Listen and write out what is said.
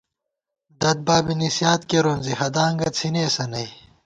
دَدبابےنِسیات کېرون زی ہدانگہ څِھنېسہ نئ